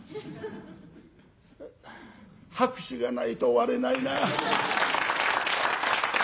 拍手がないと終われないな。